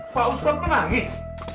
pak ustadz mengangis